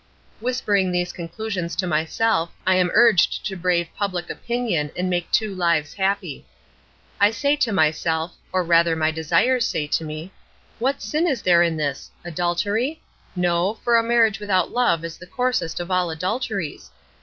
Whispering these conclusions to myself, I am urged to brave public opinion, and make two lives happy. I say to myself, or rather my desires say to me "What sin is there in this? Adultery? No; for a marriage without love is the coarsest of all adulteries.